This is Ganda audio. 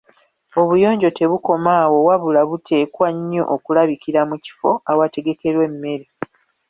Obuyonjo tebukoma awo wabula buteekwa nnyo okulabikira mu kifo awategekerwa emmere.